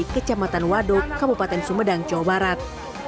kecamatan waduk kabupaten sumedang jawa barat